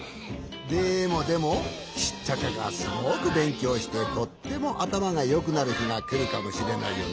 でもでもシッチャカがすごくべんきょうしてとってもあたまがよくなるひがくるかもしれないよね？